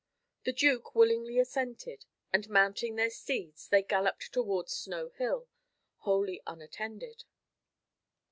The Duke willingly assented, and mounting their steeds, they galloped towards Snow Hill, wholly unattended.